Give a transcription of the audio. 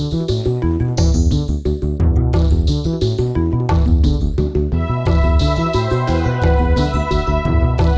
lepas datang lagi ber responsibilities nanti tidur your karma